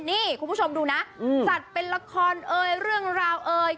นี่คุณผู้ชมดูนะสัตว์เป็นละครเอ่ยเรื่องราวเอ่ย